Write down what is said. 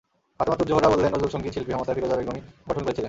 ফাতেমা তুজ জোহরা বললেন, নজরুলসংগীত শিল্পী সংস্থা ফিরোজা বেগমই গঠন করেছিলেন।